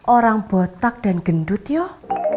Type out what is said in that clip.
orang botak dan gendut yuk